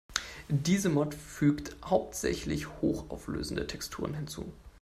Diese Mod fügt hauptsächlich hochauflösende Texturen hinzu.